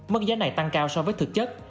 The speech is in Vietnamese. mức giá này tăng cao so với thực chất